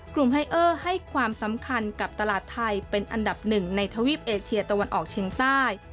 ไฮเออร์ให้ความสำคัญกับตลาดไทยเป็นอันดับหนึ่งในทวีปเอเชียตะวันออกเชียงใต้